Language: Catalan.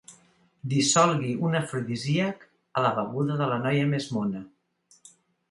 Dissolgui un afrodisíac a la beguda de la noia més mona.